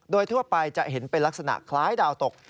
โดยทั่วไปจะเห็นเป็นลักษณะคล้ายดาวตก